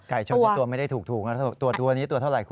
ไก่ชนที่ตัวไม่ได้ถูกถูกตัวนี้ตัวเท่าไหร่คุณ